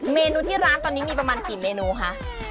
เมนูที่ร้านตอนนี้มีประมาณกี่เมนูคะ